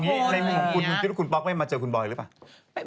มึงคิดว่าคุณป๊อกไม่มาเจอคุณบอยหรือเปล่า